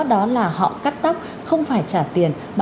đó là họ cắt tóc không phải trả tiền